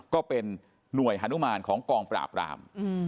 ก็เป็นหน่วยฮานุมานของกองปราบราม